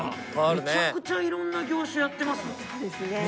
めちゃくちゃ色んな業種やってますね。